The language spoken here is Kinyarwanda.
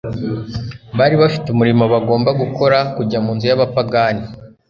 Bari bafite umurimo bagomba gukora: kujya mu nzu y'abapagani,